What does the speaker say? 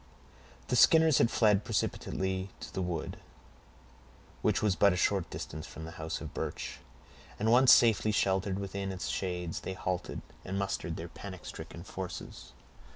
The Skinners had fled precipitately to the wood, which was but a short distance from the house of Birch, and once safely sheltered within its shades, they halted, and mustered their panic stricken forces.